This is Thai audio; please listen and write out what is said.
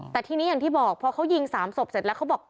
แต่ทีนี้อย่างที่บอกพอเขายิง๓ศพเสร็จแล้วเขาบอก